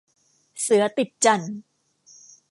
เสือติดจั่น